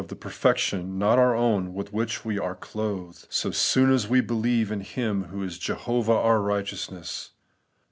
the perfection (not our own) with which we are clothed, so soon as we believe in Him who is ' Jehovah our righteousness.'